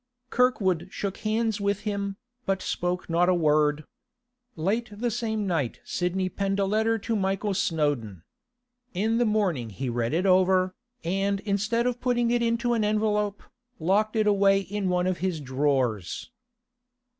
Kirkwood shook hands with him, but spoke not a word. Late the same night Sidney penned a letter to Michael Snowdon. In the morning he read it over, and instead of putting it into an envelope, locked it away in one of his drawers.